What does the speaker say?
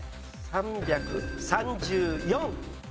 ３３４。